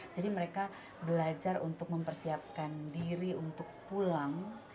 jadi mereka belajar untuk mempersiapkan diri untuk pulang